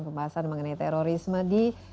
pembahasan mengenai terorisme di